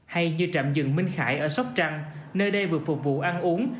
hay như trạm dừng minh khải ở sóc trăng nơi đây vừa phục vụ ăn uống